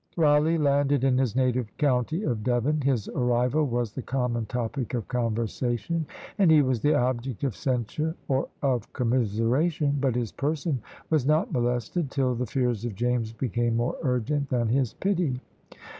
Rawleigh landed in his native county of Devon: his arrival was the common topic of conversation, and he was the object of censure or of commiseration: but his person was not molested, till the fears of James became more urgent than his pity.